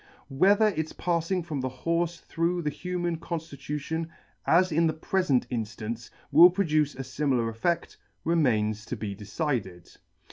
Whether its paffing from the horfe through the human conflitu tion, as in the prefent inflance, will produce a fimilar effeCt, remains [■ 35 3 remains to be decided.